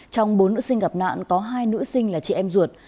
trong bốn nữ sinh gặp nạn có hai nữ sinh là chị em ruột